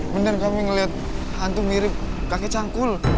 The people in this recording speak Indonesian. bener kami ngeliat hantu mirip kakek canggul